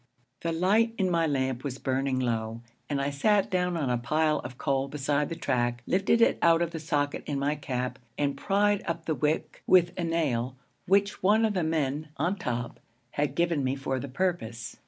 The light in my lamp was burning low, and I sat down on a pile of coal beside the track, lifted it out of the socket in my cap, and pried up the wick with a nail which one of the men 'on top' had given me for the purpose.